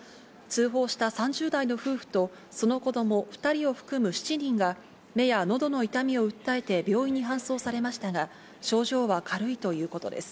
通報した３０代の夫婦とその子供２人を含む７人が目やのどの痛みを訴えて病院に搬送されましたが、症状は軽いということです。